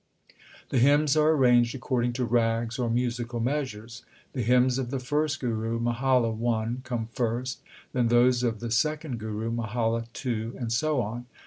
The hymns are arranged according to Rags, or musical measures. The hymns of the first Guru, Mahalla I, come first, then those of the second Guru, Mahalla II, and so on.